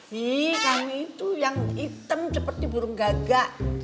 nih kamu itu yang item seperti burung gagak